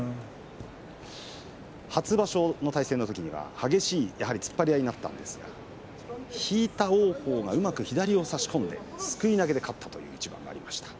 初場所の対戦のときには激しい突っ張り合いになったんですが引いた王鵬がうまく左を差し込んですくい投げで勝った一番がありました。